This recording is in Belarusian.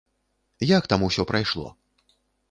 Як там усё прайшло?